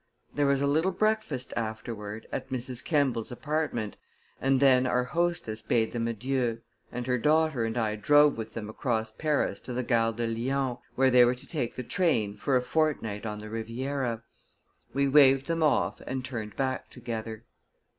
There was a little breakfast afterward at Mrs. Kemball's apartment, and then our hostess bade them adieu, and her daughter and I drove with them across Paris to the Gare de Lyon, where they were to take train for a fortnight on the Riviera. We waved them off and turned back together.